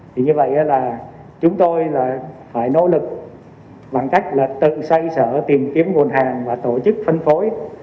vì vậy chúng tôi phải nỗ lực bằng cách tự xây sở tìm kiếm nguồn hàng và tổ chức phân phối